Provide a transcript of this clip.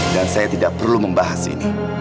dan saya tidak perlu membahas ini